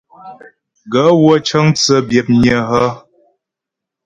Gaə̂ wə́ cə́ŋ tsə́ byə̌pnƴə́ hə́ ?